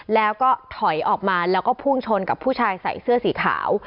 แล้วก็ถอยออกมาแล้วก็พุ่งชนกับผู้ชายใส่เสื้อสีขาว